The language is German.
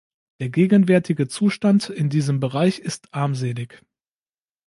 Der gegenwärtige Zustand in diesem Bereich ist armselig.